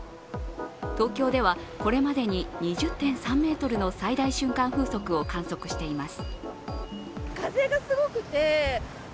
東京では、これまでに２０．３メートルの最大瞬間風速を観測しています。